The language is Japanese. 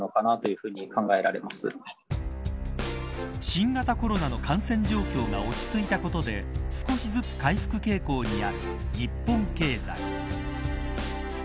新型コロナの感染状況が落ち着いたことで少しずつ回復傾向にある日本経済。